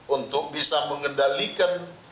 untuk bisa mengendalikan